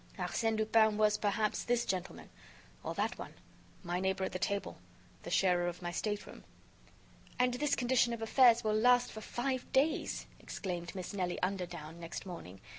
Arsène Lupin was, perhaps, this gentleman.... or that one.... my neighbor at the table.... the sharer of my stateroom.... "And this condition of affairs will last for five days!" exclaimed Miss Nelly Underdown, next morning.